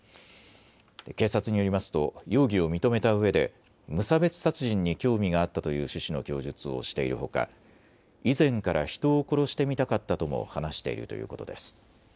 警察によりますと容疑を認めたうえで無差別殺人に興味があったという趣旨の供述をしているほか以前から人を殺してみたかったとも話しているということです。